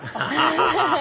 アハハハ！